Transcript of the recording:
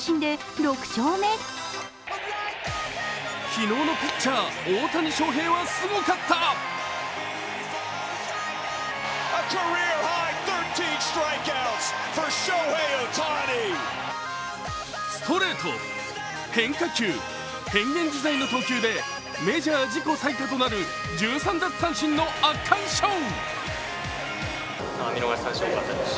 昨日のピッチャー・大谷翔平はすごかったストレート、変化球、変幻自在の投球でメジャー自己最多となる１３奪三振の圧巻ショー！